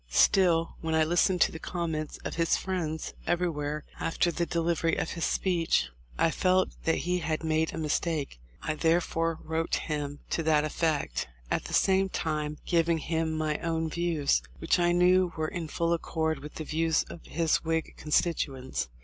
Still, when I listened to the comments of his friends everywhere after the de livery of his speech, I felt that he had made a mis take. I therefore wrote him to that effect, at the same time giving him my own views, which I knew were in full accord with the views of his Whig con stituents.